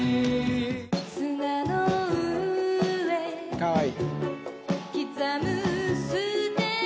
かわいい。